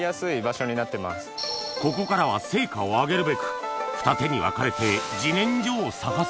ここからは成果を上げるべく二手に分かれて自然薯を探す